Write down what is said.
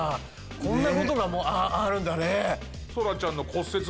こんなことがもうあるんだね。